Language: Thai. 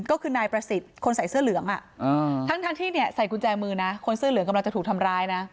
ก็คือนายประสิทธิ์คนใส่เสื้อเหลืองทั้งที่เนี่ยใส่กุญแจมือนะคนเสื้อเหลืองกำลังจะถูกทำร้ายนะ